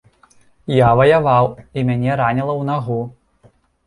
Я ваяваў, і мяне раніла ў нагу.